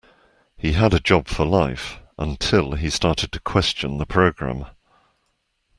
He had a job for life, until he started to question the programme